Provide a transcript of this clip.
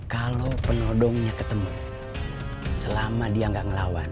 kalau penodongnya ketemu selama dia nggak ngelawan